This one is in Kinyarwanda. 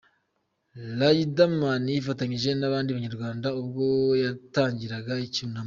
Riderman yifatanyije n'abandi Banyarwanda ubwo batangiraga icyunamo .